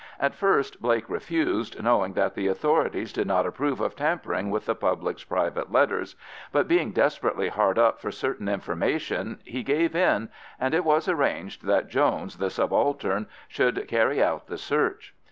At first Blake refused, knowing that the authorities did not approve of tampering with the public's private letters; but being desperately hard up for certain information he gave in, and it was arranged that Jones, the subaltern, should carry out the search.